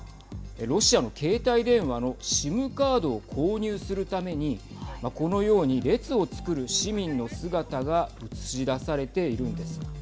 ロシアの携帯電話のＳＩＭカードを購入するためにこのように列をつくる市民の姿が映し出されているんです。